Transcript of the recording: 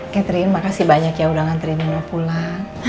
catherine makasih banyak ya udah nganterin lo pulang